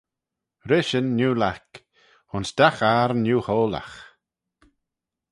Rishyn neulaik, ayns dagh ayrn neuhoyllagh!